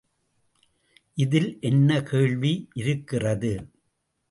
இதில் என்ன கேள்வி இருக்கிறது?